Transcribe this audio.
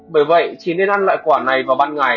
bởi vậy chỉ nên ăn loại quả này vào ban ngày